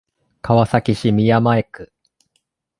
川崎市宮前区